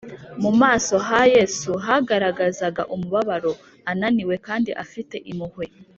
mu maso ha yesu hagaragazaga umubabaro, ananiwe kandi afite impuhwe